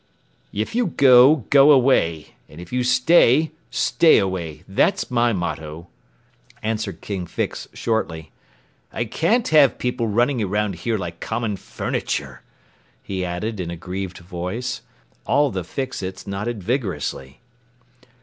"If you go, go away. And if you stay, stay away. That's my motto," answered King Fix shortly. "I can't have people running around here like common furniture," he added in a grieved voice. All the Fix Its nodded vigorously.